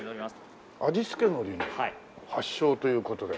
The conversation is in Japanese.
味付け海苔の発祥という事で。